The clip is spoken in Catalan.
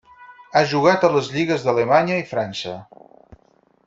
Ha jugat a les lligues d'Alemanya i França.